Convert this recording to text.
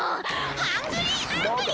ハングリーアングリー！